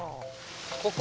ここ。